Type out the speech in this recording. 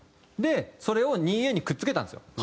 それを２Ａにくっつけたんですよ。